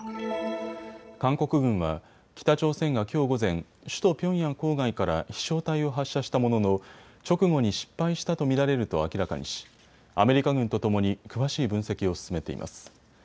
韓国軍は北朝鮮がきょう午前、首都ピョンヤン郊外から飛しょう体を発射したものの直後に失敗したと見られると明らかにしアメリカ軍とともに詳しい分析を進めています。